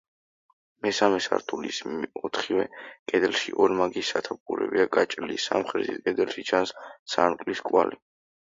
მესამე სართულის ოთხივე კედელში ორმაგი სათოფურებია გაჭრილი სამხრეთ კედელში ჩანს სარკმლის კვალი.